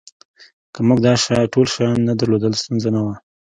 که موږ دا ټول شیان نه درلودل ستونزه نه وه